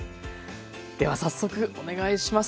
では早速お願いします。